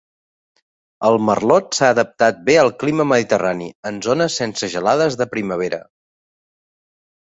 El merlot s'ha adaptat bé al clima mediterrani, en zones sense gelades de primavera.